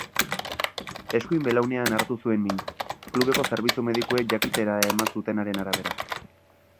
Eskuin belaunean hartu zuen min, klubeko zerbitzu medikuek jakitera eman zutenaren arabera.